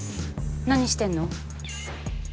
何してんの？